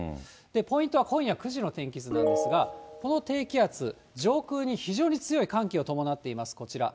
ポイントは今夜９時の天気図なんですが、この低気圧、上空に非常に強い寒気を伴っています、こちら。